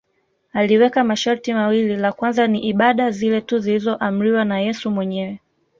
Aliweka masharti mawili la kwanza ni ibada zile tu zilizoamriwa na Yesu mwenyewe